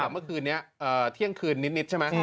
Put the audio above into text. เมื่อคืนนี้เที่ยงคืนนิดใช่ไหม